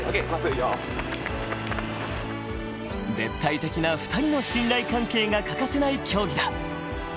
絶対的な２人の信頼関係が欠かせない競技だ。